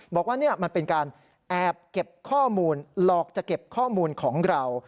บอกว่านี่มันเป็นการแอบเก็บข้อมูลหลอกจะเก็บข้อมูลของเรา